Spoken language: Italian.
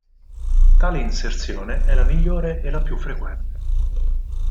Tale inserzione è la migliore e la più frequente.